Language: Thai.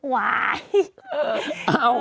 ว้าย